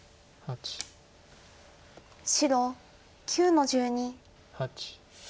白９の十二。